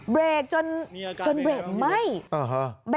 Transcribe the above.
เบรกจนเบรกไหม้อ่าฮะ